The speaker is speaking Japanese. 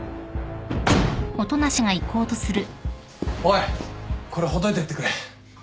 おいこれほどいていってくれ。